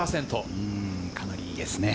かなりいいですね。